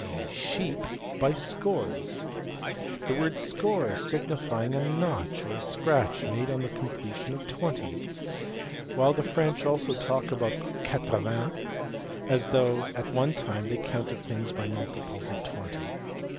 g. sheep) by scores, the word score signifying a notch or scratch made on the completion of the twenty ; while the French also talk of quatre vingt, as though at one time they counted things by multiples of twenty.